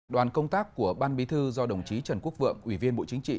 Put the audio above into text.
đoàn công tác của ban bí thư do đồng chí trần quốc vượng ủy viên bộ chính trị